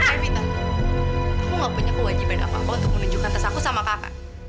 kak evita aku nggak punya kewajiban apa apa untuk menunjukkan tas aku sama kakak